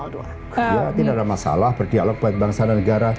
berarti tidak ada masalah berdialog buat bangsa dan negara